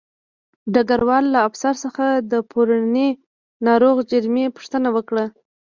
ډګروال له افسر څخه د پرونۍ ناروغ جرمني پوښتنه وکړه